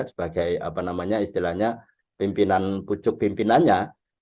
sebagai apa namanya istilahnya pimpinan pucuk pimpinannya